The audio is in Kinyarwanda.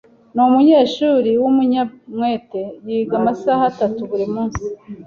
Ni umunyeshuri w'umunyamwete. Yiga amasaha atatu buri munsi.